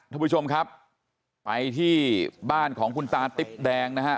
ท่านผู้ชมครับไปที่บ้านของคุณตาติ๊บแดงนะฮะ